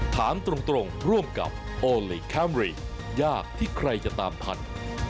ถามตรงร่วมกับโอลี่คัมรี่ยากที่ใครจะตามทัน